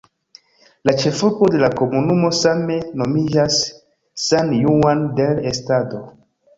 La ĉefurbo de la komunumo same nomiĝas "San Juan del Estado".